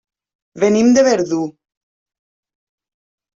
Venim de Verdú.